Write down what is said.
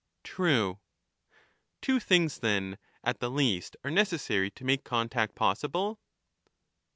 True. Two things, then, at the least are necessary to make con tact possible